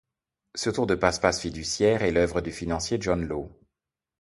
Ce tour de passe-passe fiduciaire est l’œuvre du financier John Law.